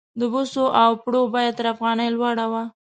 د بوسو او پړو بیه تر افغانۍ لوړه وه.